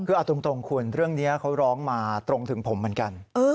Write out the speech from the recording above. คือเอาตรงคุณเรื่องนี้เขาร้องมาตรงถึงผมเหมือนกัน